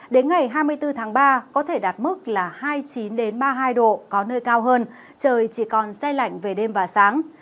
đến ngày hai mươi bốn tháng ba có thể đạt mức là hai mươi chín ba mươi hai độ có nơi cao hơn trời chỉ còn xe lạnh về đêm và sáng